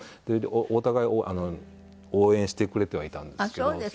でお互い応援してくれてはいたんですけど。